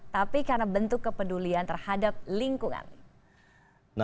tapi karena bentuk kepedulian terhadap lingkungan